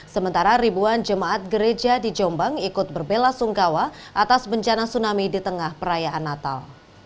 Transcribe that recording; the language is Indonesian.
sementara ribuan jemaat gereja di jombang ikut berbela sungkawa atas bencana tsunami di tengah perayaan natal